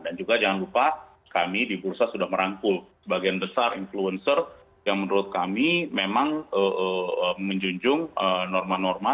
dan juga jangan lupa kami di bursa sudah merangkul sebagian besar influencer yang menurut kami memang menjunjung norma norma